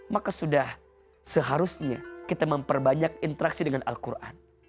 maka sudah seharusnya kita memperbanyak interaksi dengan al quran